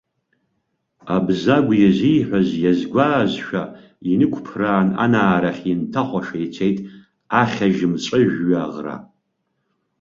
Абзагә иазиҳәаз иазгәаазшәа, инықәԥраан, анаарахь инҭахәаша ицеит ахьажь мҵәыжәҩа ӷра.